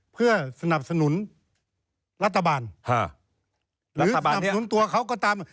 เพื่อสนับสนุนรัฐบาลหรือสนับสนุนตัวเขาก็ตาม